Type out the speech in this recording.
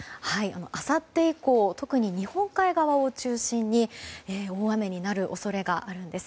あさって以降特に日本海側を中心に大雨になる恐れがあるんです。